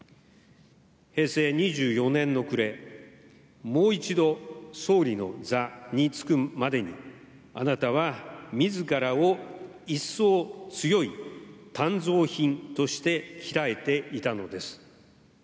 平成２４年の暮れもう一度、総理の座に就くまでにあなたは自らを一層強い鍛造品として鍛えていたのです。